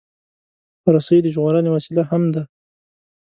رسۍ د ژغورنې وسیله هم ده.